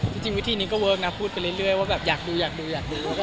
จริงวิธีนี้ก็เวิร์คนะพูดไปเรื่อยว่าแบบอยากดูอยากดูอยากดู